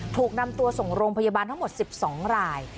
ถูกนำตัวส่งโรงพยาบาลทั้งหมด๑๒ราย